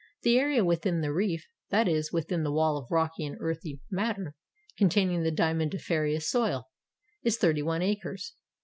The area within the reef — that is, within the wall of rocky and earthy mat 445 SOUTH AFRICA ter containing the diamondiferous soil — is thirty one acres.